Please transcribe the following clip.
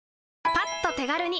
パッと手軽に！